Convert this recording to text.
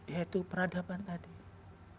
ya itu peradaban tadi